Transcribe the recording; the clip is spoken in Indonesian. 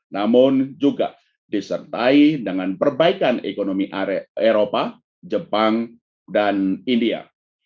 namun juga disertai dengan perbaikan ekonomi eropa jepang dan india